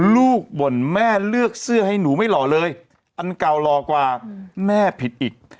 บ่นแม่เลือกเสื้อให้หนูไม่หล่อเลยอันเก่าหล่อกว่าแม่ผิดอีก